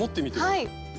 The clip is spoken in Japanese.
はい。